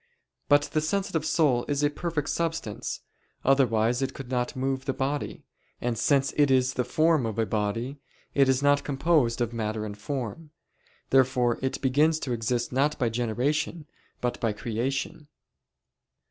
But the sensitive soul is a perfect substance, otherwise it could not move the body; and since it is the form of a body, it is not composed of matter and form. Therefore it begins to exist not by generation but by creation.